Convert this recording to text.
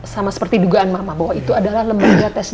sama seperti dugaan mama bahwa itu adalah lembaga tes